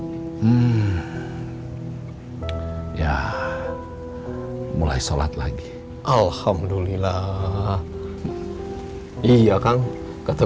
biasanya kalau kesini sabtu minggu selain itu ya mulai sholat lagi alhamdulillah iya kang kata